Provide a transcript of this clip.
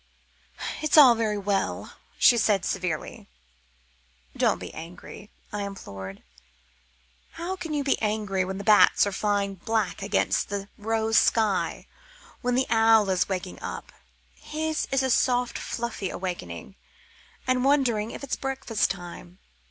"It's all very well," she said severely. "Don't be angry," I implored. "How can you be angry when the bats are flying black against the rose sky, when the owl is waking up his is a soft, fluffy awakening and wondering if it's breakfast time?"